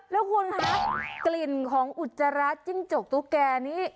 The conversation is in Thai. แล้วคุณครับกลิ่นของอุจจราจิ้นจกตุกแกนี่